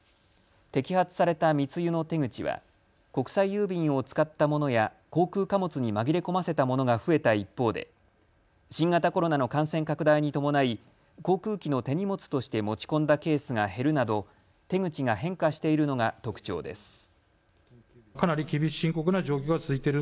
摘発された密輸の手口は国際郵便を使ったものや航空貨物に紛れ込ませたものが増えた一方で新型コロナの感染拡大に伴い航空機の手荷物として持ち込んだケースが減るなど手口が変化しているのが特徴です。